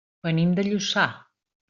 Venim de Lluçà.